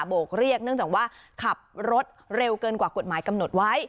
โกกเรียกเนื่องจากว่าขับรถเร็วเกินกว่ากฎหมายกำหนดไว้